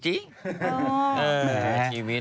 เฮ้อเหมือนกันชีวิต